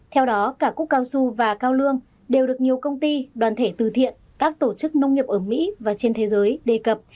theo đó cả cúc cao su và cao lương đều được nhiều công ty đoàn thể từ thiện các tổ chức nông nghiệp ở mỹ và trên thế giới đề cập